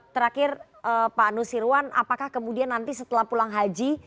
terakhir pak nusirwan apakah kemudian nanti setelah pulang haji